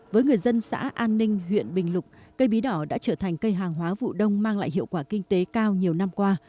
với người dân xã an ninh huyện bình lục cây bí đỏ đã trở thành cây hàng hóa vụ đông mang lại hiệu quả kinh tế cao nhiều năm qua